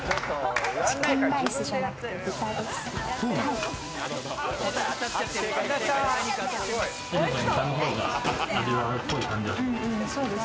チキンライスじゃなくて豚です。